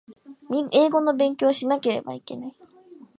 英語の勉強をしなければいけない